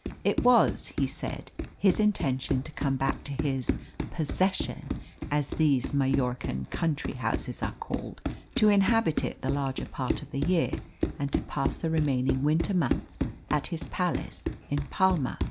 It was, he said, his intention to come back to his "possession," as these Majorcan country houses are called, to inhabit it the larger part of the year, and to pass the remaining winter months at his palace in Palma.